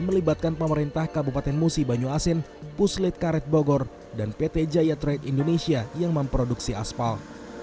melibatkan pemerintah kabupaten musi banyu asin puslit karet bogor dan pt jaya trade indonesia yang memproduksi aspal